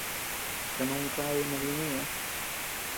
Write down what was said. Kanuu ama kadi noo dinuu ñeʼë.